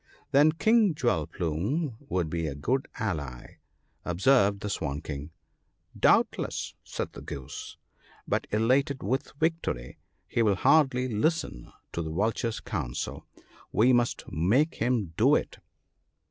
'Then King Jewel plume would be a good ally/ observed the Swan king. ' Doubtless !' said the Goose, ' but elated with victory, he will hardly listen to the Vulture's counsel ; we must make him do it.'